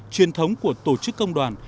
truyền thống của tổ chức công đoàn